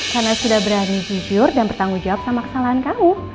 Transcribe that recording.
karena sudah berani jujur dan bertanggung jawab sama kesalahan kamu